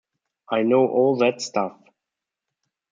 I know all that stuff.